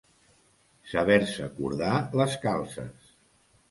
Saber-se cordar les calces.